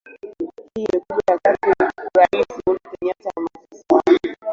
Hili limekuja wakati Raisi Uhuru Kenyatta na maafisa wake